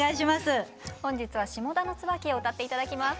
本日は「下田の椿」を歌って頂きます。